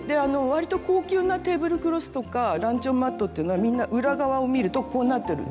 わりと高級なテーブルクロスとかランチョンマットっていうのはみんな裏側を見るとこうなってる。